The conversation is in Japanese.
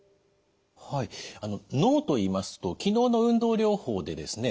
脳といいますと昨日の運動療法でですね